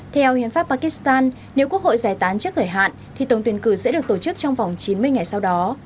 theo hiến pháp pakistan nếu quốc hội giải tán trước thời hạn thì tổng tuyển cử sẽ được tổ chức trong vòng chín mươi ngày sau đó